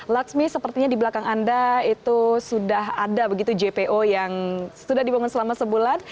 laksmi sepertinya di belakang anda itu sudah ada begitu jpo yang sudah dibangun selama sebulan